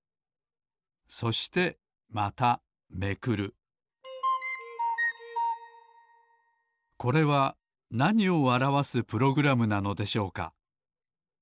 そしてまためくるこれはなにをあらわすプログラムなのでしょうか？